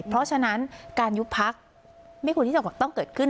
เพราะฉะนั้นการยุบพักไม่ควรที่จะต้องเกิดขึ้น